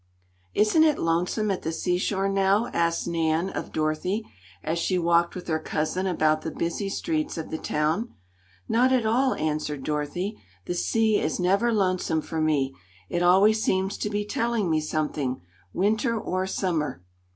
"Isn't it lonesome at the seashore now?" asked Nan of Dorothy, as she walked with her cousin about the busy streets of the town. "Not at all," answered Dorothy. "The sea is never lonesome for me. It always seems to be telling me something, Winter or Summer.